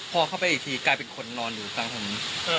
พอเข้าไปอีกทีกลายเป็นคนนอนอยู่กลางถนน